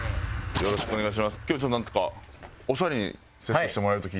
よろしくお願いします。